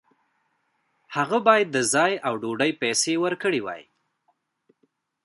هغه باید د ځای او ډوډۍ پیسې ورکړې وای.